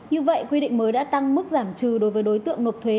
như vậy quy định mới đã tăng mức giảm trừ đối với đối tượng nộp thuế